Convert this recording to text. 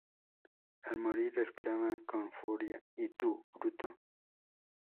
Al morir, exclama con furia ""¡Y tú, Bruto!"".